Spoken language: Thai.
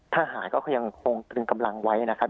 ทหารก็ยังคงตรึงกำลังไว้นะครับ